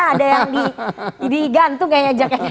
ada yang digantung kayaknya